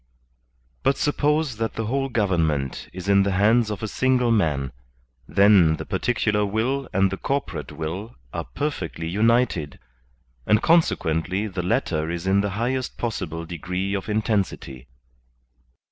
But suppose that the whole government is in the hands of a single man, then the particular will and the corpo rate will are perfectly united, and consequently the latter is in the highest possible degree of intensity.